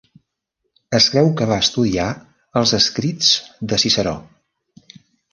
Es creu que va estudiar els escrits de Ciceró.